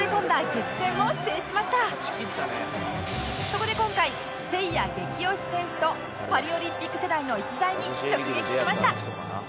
そこで今回せいや激推し選手とパリオリンピック世代の逸材に直撃しました